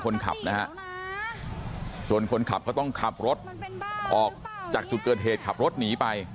คนขับนะฮะจนคนขับเขาต้องขับรถออกจากจุดเกิดเหตุขับรถหนีไป